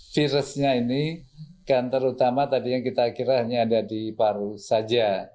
virusnya ini kan terutama tadi yang kita kira hanya ada di paru saja